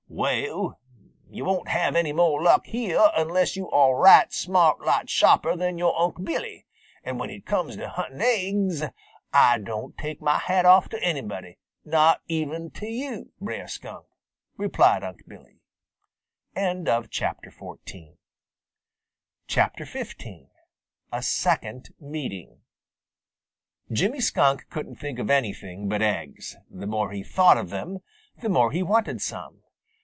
"Well, yo' won't have any mo' luck here unless yo' are a right smart lot sharper than your Unc' Billy, and when it comes to hunting aiggs, Ah don't take mah hat off to anybody, not even to yo', Brer Skunk," replied Unc' Billy. XV A SECOND MEETING Jimmy Skunk couldn't think of anything but eggs. The more he thought of them, the more he wanted some.